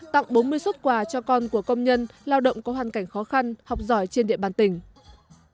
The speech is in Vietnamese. tặng bốn mươi xuất quà cho con của công nhân lao động có hoàn cảnh khó khăn học giỏi trên địa bàn tỉnh